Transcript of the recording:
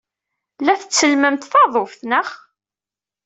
La tettellmemt taḍuft, naɣ?